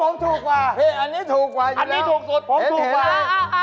ก็ผมถูกกว่าอันนี้ถูกสุดผมถูกกว่าเลยถูกกว่า